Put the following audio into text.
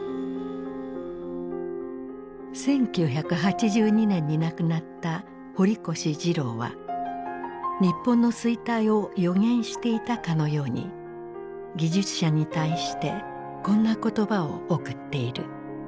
１９８２年に亡くなった堀越二郎は日本の衰退を予言していたかのように技術者に対してこんな言葉を贈っている。